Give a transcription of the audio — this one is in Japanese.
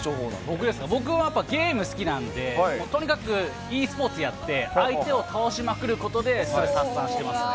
僕ですか、僕はゲーム好きなんで、とにかく、ｅスポーツやって相手を倒しまくることでストレス発散してますね。